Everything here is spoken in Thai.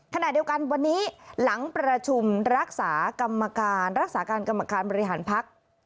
ขณะเดียวกันวันนี้หลังประชุมรักษากรรมการรักษาการกรรมการบริหารพัก